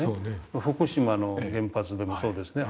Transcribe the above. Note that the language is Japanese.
福島の原発でもそうですね。